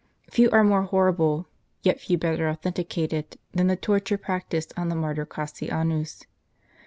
Few are more horrible, yet few better authenti cated, than the torture practised on the martyr Cassianus.